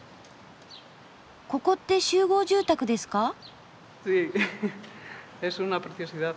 ここって集合住宅ですか？